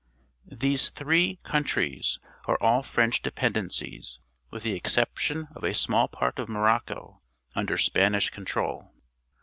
— These three countries are all French dependencies, with the exception of a small part of Morocco under Spanish control.